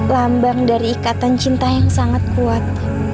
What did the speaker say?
lambang dari ikatan cinta yang sangat kuat